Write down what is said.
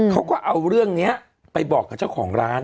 เขาก็เอาเรื่องนี้ไปบอกกับเจ้าของร้าน